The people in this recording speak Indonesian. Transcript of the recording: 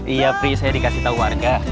iya free saya dikasih tahu warga